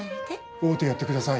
会うてやってください